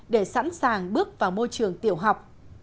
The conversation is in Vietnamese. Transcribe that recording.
để sẵn sàng bước vào môi trường tiểu học